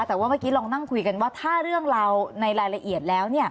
แต่ว่าเมื่อกี้ลองนั่งคุยกันว่าถ้าเรื่องราวในรายละเอียดแล้ว